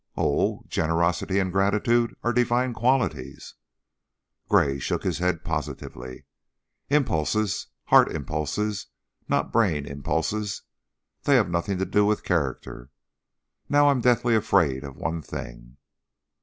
"Oh! Generosity and gratitude are divine qualities!" Gray shook his head positively. "Impulses! Heart impulses, not brain impulses. They have nothing to do with character. Now I'm deathly afraid of one thing."